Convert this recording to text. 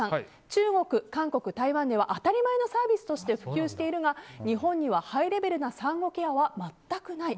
中国、韓国、台湾では当たり前のサービスとして普及しているが日本にはハイレベルな産後ケアは全くない。